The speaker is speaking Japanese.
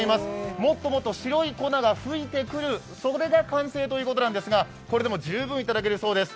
もっともっと白い粉がふいてくる、これが完成ということですがこれでも十分いただけるそうです。